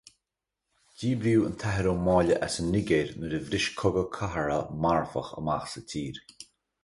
Díbríodh an tAthair Ó Máille as an Nigéir nuair a bhris cogadh cathartha marfach amach sa tír.